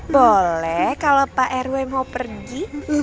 boleh kalau pak rw mau pergi